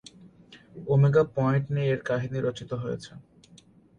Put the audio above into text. Omega point নিয়েই এর কাহিনী রচিত হয়েছে।